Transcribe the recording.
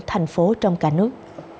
thành phố trong cả nước